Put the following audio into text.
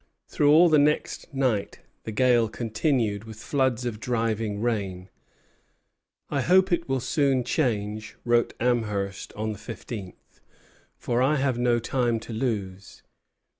Through all the next night the gale continued, with floods of driving rain. "I hope it will soon change," wrote Amherst on the fifteenth, "for I have no time to lose."